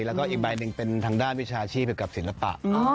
แล้วก็อีกใบหนึ่งเป็นทางด้านวิชาชีพเกี่ยวกับศิลปะ